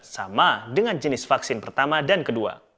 sama dengan jenis vaksin pertama dan kedua